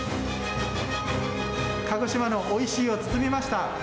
鹿児島のおいしいを包みました。